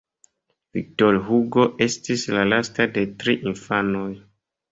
Victor Hugo estis la lasta de tri infanoj.